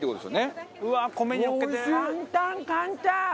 簡単簡単！